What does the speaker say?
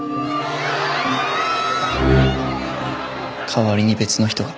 代わりに別の人が。